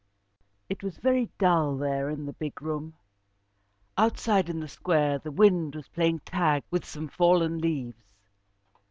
It was very dull there in the big room. Outside in the square, the wind was playing tag with some fallen leaves.